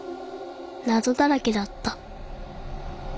なぞだらけだった